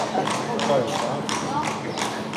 Ко је за.